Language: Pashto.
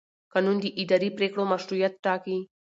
قانون د اداري پرېکړو مشروعیت ټاکي.